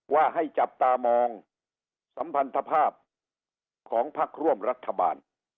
ว่าให้จับตามองสัมพันธภาพของพักร่วมรัฐบาล